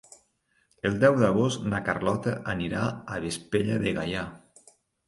El deu d'agost na Carlota anirà a Vespella de Gaià.